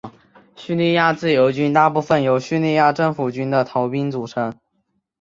叙利亚自由军大部分由叙政府军的逃兵组成。